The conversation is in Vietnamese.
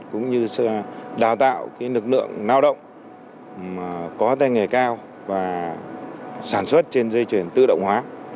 cũng như đào tạo lực lượng lao động có tay nghề cao và sản xuất trên dây chuyển tự động hóa